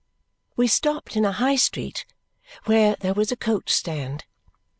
We stopped in a high street where there was a coach stand.